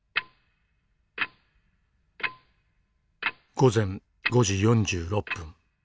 午前５時４６分。